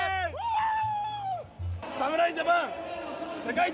侍ジャパン、世界一。